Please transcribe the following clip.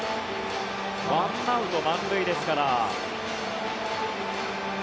１アウト満塁ですから。